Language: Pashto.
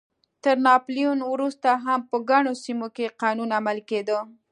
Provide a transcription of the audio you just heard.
تر ناپلیون وروسته هم په ګڼو سیمو کې قانون عملی کېده.